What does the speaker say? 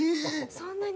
そんなに？